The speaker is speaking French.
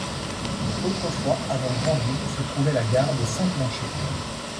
Autrefois avant Granville se trouvait la gare de Saint-Planchers.